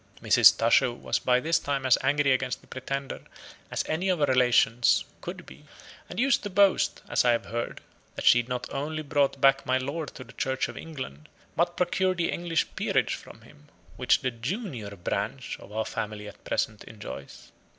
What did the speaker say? Mrs. Tusher was by this time as angry against the Pretender as any of her relations could be, and used to boast, as I have heard, that she not only brought back my Lord to the Church of England, but procured the English peerage for him, which the JUNIOR BRANCH of our family at present enjoys.